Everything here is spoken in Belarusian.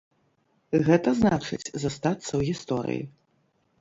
Гэта значыць, застацца ў гісторыі.